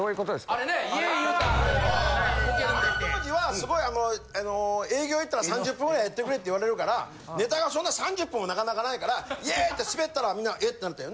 あの当時はすごい営業行ったら３０分ぐらいやってくれって言われるからネタがそんな３０分もなかなかないからイェイ！ってスベったらみんながえっ？ってなるんだよ。